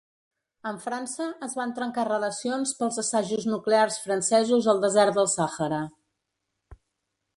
Amb França es van trencar relacions pels assajos nuclears francesos al desert del Sàhara.